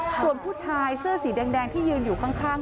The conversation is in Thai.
ส่วนผู้ชายเสื้อสีแดงที่ยืนอยู่ข้าง